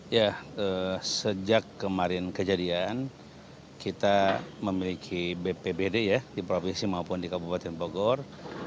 ya sejak kemarin kejadian kita memiliki bpbd ya di provinsi maupun di kabupaten bogor